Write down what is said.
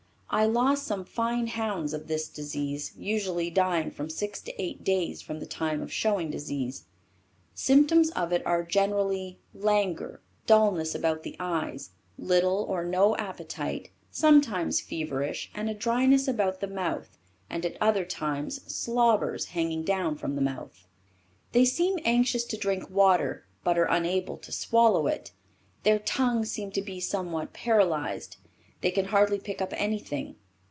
I lost some fine hounds of this disease, usually dying from six to eight days from the time of showing disease. Symptoms of it are generally languor, dullness about the eyes, little or no appetite, sometimes feverish and a dryness about the mouth and at other times slobbers hang down from the mouth. They seem anxious to drink water but are unable to swallow it. Their tongues seem to be somewhat paralyzed, they can hardly pick up anything.